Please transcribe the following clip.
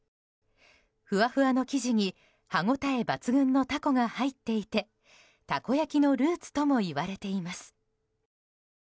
ふわふわの生地に歯応え抜群のタコが入っていてたこ焼きのルーツともいわれています。